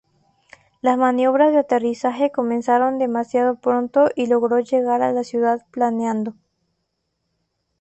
Las maniobras de aterrizaje comenzaron demasiado pronto y logró llegar a la ciudad planeando.